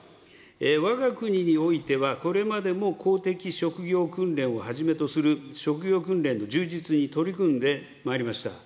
わが国においては、これまでも公的職業訓練をはじめとする職業訓練の充実に取り組んでまいりました。